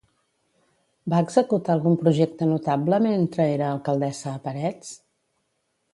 Va executar algun projecte notable mentre era alcaldessa a Parets?